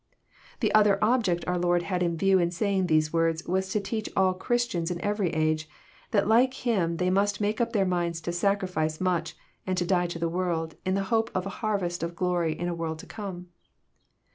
The other object our Lord had in view in sayinj? these words was to teach all Christians in every age, that like Him tbey must make up their minds to sacrifice much, and to die to the world, in the hope of a harvest of glory in a world to come.